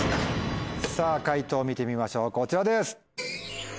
さぁ解答見てみましょうこちらです。